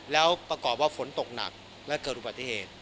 แล้วประกอบว่าฝนตกหนักและเกิดอุบัติเหตุ